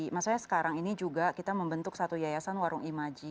maksudnya sekarang ini juga kita membentuk satu yayasan warung imaji